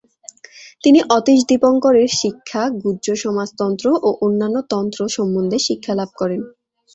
তিনি অতীশ দীপঙ্করের শিক্ষা, গুহ্যসমাজতন্ত্র ও অন্যান্য তন্ত্র সম্বন্ধে শিক্ষালাভ করেন।